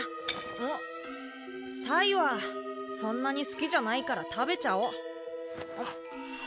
あっサイはそんなに好きじゃないから食べちゃおう。